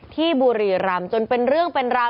บุรีรำจนเป็นเรื่องเป็นราว